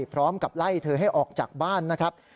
พร้อมกับไล่เธอให้ออกจากบ้านนะครับ